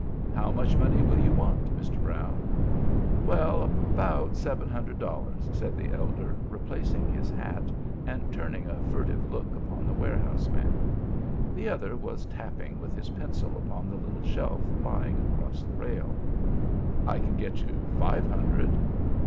"How much money will you want, Mr. Brown?" "Well, about seven hundred dollars," said the elder, replacing his hat, and turning a furtive look upon the warehouse man. The other was tapping with his pencil upon the little shelf lying across the rail. "I can get you five hundred."